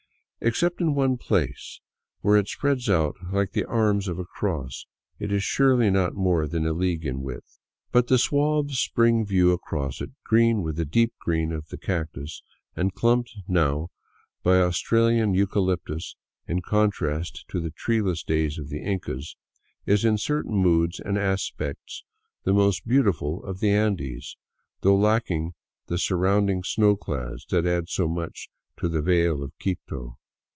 Except in one place, where it spreads out Hke the arms of a cross, it is surely not more than a league in width. But the suave spring view across it, green with the deep green of the cactus, and clumped now by the Aus tralian eucalyptus in contrast to the treeless days of the Incas, is in certain moods and aspects the most beautiful of the Andes, though lacking the surrounding snowclads that add so much to the vale of Quito.